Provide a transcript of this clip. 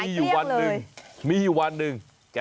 เอาล่ะเดินทางมาถึงในช่วงไฮไลท์ของตลอดกินในวันนี้แล้วนะครับ